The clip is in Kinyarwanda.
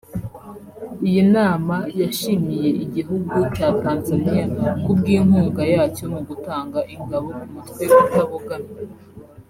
Iyi nama yashimiye igihugu cya Tanzaniya kubw’inkunga yacyo mu gutanga ingabo ku mutwe utabogamye